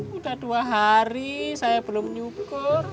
sudah dua hari saya belum nyukur